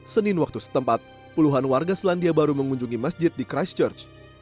senin waktu setempat puluhan warga selandia baru mengunjungi masjid di christchurch